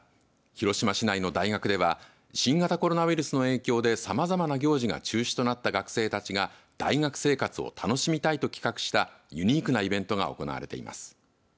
広島市内の大学では新型コロナウイルスの影響でさまざまな行事が中止となった学生たちが大学生活を楽しみたいと企画したユニークなイベントが行われています。